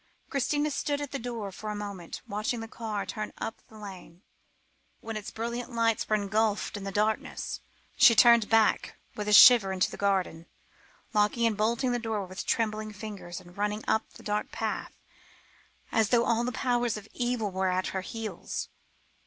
Christina stood at the door for a moment, watching the car turn up the lane, but when its brilliant lights were engulfed by the darkness, she turned back with a shiver into the garden, locking and bolting the door with trembling fingers, and running up the dark path as though all the powers of evil were at her heels.